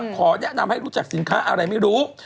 ขอแนะนำให้รู้จักสินค้าอะไรไม่รู้